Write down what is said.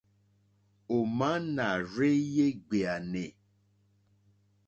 Ò má nà rzéyé ɡbèànè.